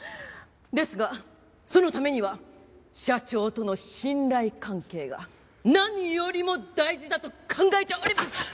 ですがそのためには社長との信頼関係が何よりも大事だと考えております！